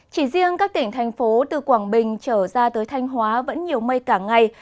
chỉ riêng các tỉnh thành phố từ quảng bình trở ra tới thanh hóa vẫn nhiều mây cả ngày